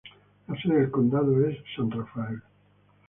La sede del condado es San Rafael.